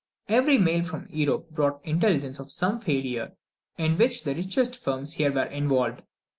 Every mail from Europe brought intelligence of some failure, in which the richest firms here were involved.